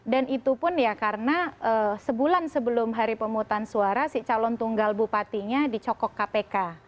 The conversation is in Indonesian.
dan itu pun karena sebulan sebelum hari pemutan suara si calon tunggal bupatinya dicokok kpk